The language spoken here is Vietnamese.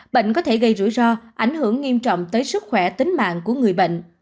bệnh có thể gây rủi ro ảnh hưởng nghiêm trọng tới sức khỏe tính mạng của người bệnh